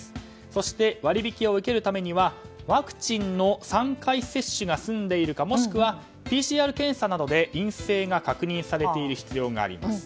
そして、割引を受けるためにはワクチンの３回接種が済んでいるかもしくは、ＰＣＲ検査などで陰性が確認されている必要があります。